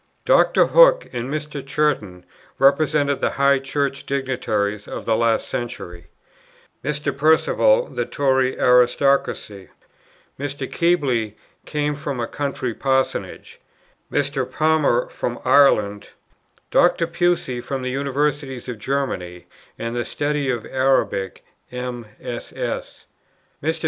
Dr. Hook and Mr. Churton represented the high Church dignitaries of the last century; Mr. Perceval, the Tory aristocracy; Mr. Keble came from a country parsonage; Mr. Palmer from Ireland; Dr. Pusey from the Universities of Germany, and the study of Arabic MSS.; Mr.